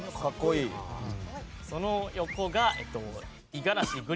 その横が五十嵐栗